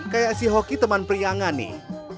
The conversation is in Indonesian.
kayak si hoki teman priangan nih